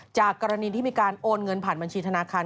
จากกรณีที่มีการโอนเงินผ่านบัญชีธนาคาร